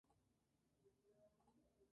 Fue diseñado por Yahoo!